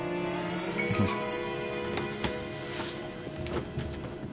行きましょう。